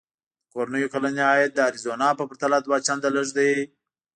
د کورنیو کلنی عاید د اریزونا په پرتله دوه چنده لږ دی.